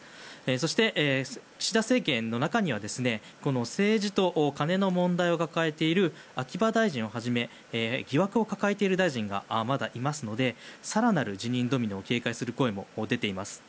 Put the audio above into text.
そして、岸田政権の中には政治と金の問題を抱えている秋葉大臣をはじめ疑惑を抱えている大臣がまだいますので更なる辞任ドミノを警戒する声も出ています。